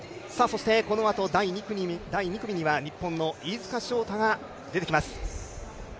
このあと第２組には日本の飯塚翔太が出てきます。